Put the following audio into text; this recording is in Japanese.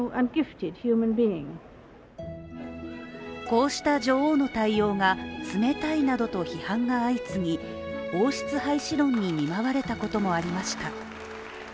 こうした女王の対応が冷たいなどと批判が相次ぎ王室廃止論に見舞われたこともありました。